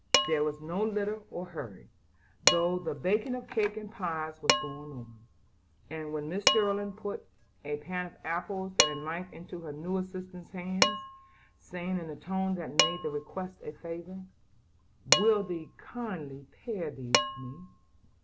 There was no litter or hurry, though the baking of cake and pies was going on, and when Mrs. Sterling put a pan of apples, and a knife into her new assistant's hands, saying in a tone that made the request a favor, "Will thee kindly pare these for me?"